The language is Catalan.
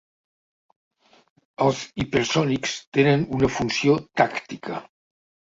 Els hipersònics tenen una funció tàctica.